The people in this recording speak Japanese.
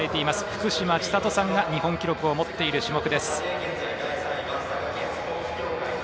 福島千里さんが日本記録を持っている種目です。